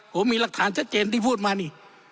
ผมมีหลักฐานชัดเจนที่พูดมานี่